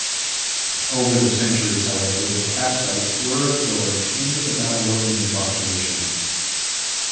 Over the centuries, however, the Kassites were absorbed into the Babylonian population.